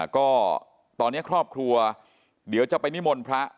ก็ตอนนี้ครอบครัวเดี๋ยวจะไปนิมนต์พระ